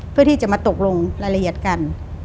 เพื่อที่จะมาตกลงรายละเอียดกัน